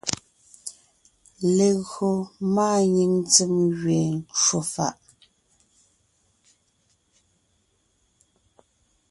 Légÿo máanyìŋ ntsèm gẅeen ncwò fàʼ,